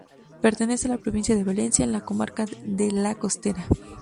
Pertenece a la provincia de Valencia, en la comarca de La Costera.